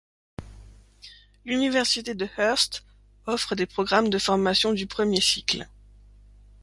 L'Université de Hearst offre des programmes de formation de premier cycle.